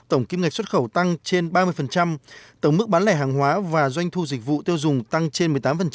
tổng kim ngạch xuất khẩu tăng trên ba mươi tổng mức bán lẻ hàng hóa và doanh thu dịch vụ tiêu dùng tăng trên một mươi tám